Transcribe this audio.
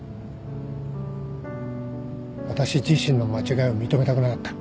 私自身の間違いを認めたくなかった。